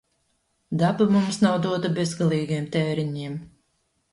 Daba mums nav dota bezgalīgiem tēriņiem.